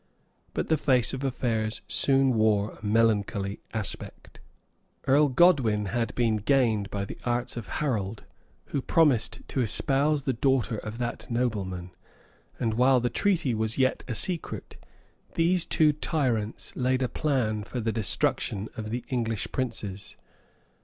But the face of affairs soon wore a melancholy aspect. Earl Godwin had been gained by the arts of Harold, who promised to espouse the daughter of that nobleman; and while the treaty was yet a secret, these two tyrants laid a plan for the destruction of the English princes.